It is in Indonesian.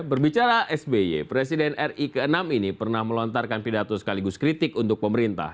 berbicara sby presiden ri ke enam ini pernah melontarkan pidato sekaligus kritik untuk pemerintah